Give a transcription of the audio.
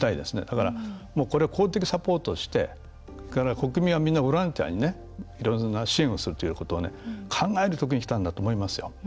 だから、これを公的サポートして国民はみんなボランティアにいろんな支援をするということを考えるときにきたんだと思いますよ。